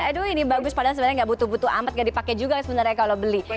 aduh ini bagus padahal sebenarnya ga butuh amat ga dipakai juga sebenarnya kalau beli